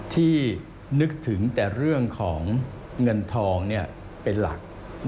ที่นึกถึงแต่เรื่องของเงินทองเป็นหลัก